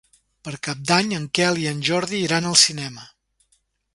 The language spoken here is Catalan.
Per Cap d'Any en Quel i en Jordi iran al cinema.